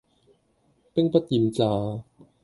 兵不厭詐